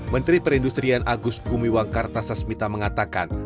menteri perindustrian agus gumiwang kartasasmita mengatakan